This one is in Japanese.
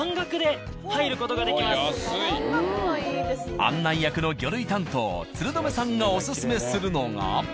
案内役の魚類担当鶴留さんがおすすめするのが。